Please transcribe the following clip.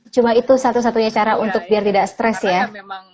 cuma itu satu satunya cara untuk biar tidak stres ya